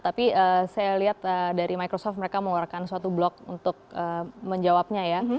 tapi saya lihat dari microsoft mereka mengeluarkan suatu blog untuk menjawabnya ya